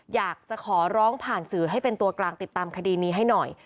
อยากจะขอร้องผ่านสื่อให้เป็นตัวกลางติดตามคดีนี้ให้หน่อย